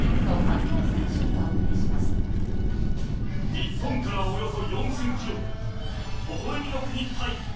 ［日本からおよそ４，０００ｋｍ微笑みの国タイ］